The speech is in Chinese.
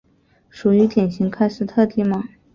属于典型喀斯特地貌。